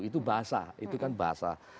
itu bahasa itu kan bahasa